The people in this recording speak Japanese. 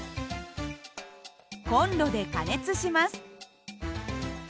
コンロで加熱します。